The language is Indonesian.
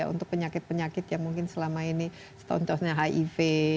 untuk penyakit penyakit yang mungkin selama ini setoncosnya hiv